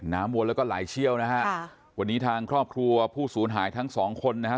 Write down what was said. น้ำวนแล้วก็รายเชี่ยวนะครับค่ะวันนี้ทางครอบครัวพูดศูนย์หายทั้งสองคนนะฮะ